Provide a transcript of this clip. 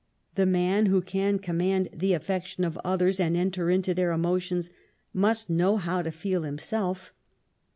The man who can command the affection of others^ and enter into their emotions, must know how to feel himself.